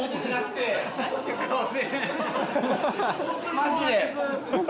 マジで。